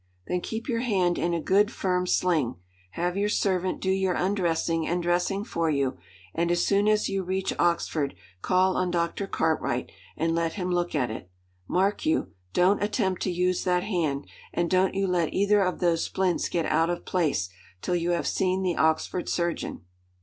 "Then keep your hand in a good, firm sling; have your servant do your undressing and dressing for you, and as soon as you reach Oxford call on Dr. Cartwright and let him look at it. Mark you, don't attempt to use that hand, and don't you let either of those splints get out of place till you have seen the Oxford surgeon."